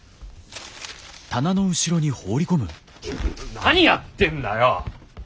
何やってんだよ！